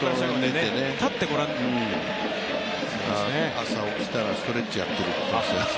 朝起きたら、ストレッチをやってると言ってましたよ。